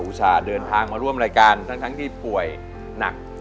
อุตส่าห์เดินทางมาร่วมรายการทั้งที่ป่วยหนักแบบกว่า